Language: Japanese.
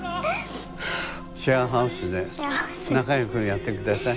シェアハウスで仲良くやって下さい。